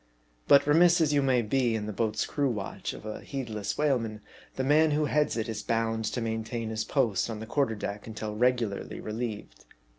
But remiss as you may be in the boats crew watch of a heedless whaleman, the man who heads it is bound to main tain his post on the quarter deck until regularly relieved.